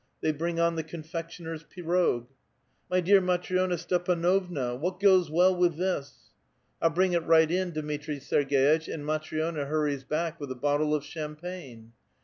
They bring on the confectioner's pirog, *' My dear Matri6na Stepan6vna, what goes well with this?" A VITAL QUESTION. 117 'TU bring it right in, Dmitri Serg^itch;" and Matri6na hurries back with a bottle of uliainpague.